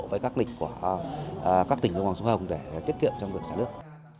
với các lịch của các tỉnh trong khu vực đồng bằng sông hồng để tiết kiệm trong lực xả nước